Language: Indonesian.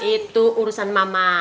itu urusan mama